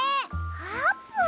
あーぷん！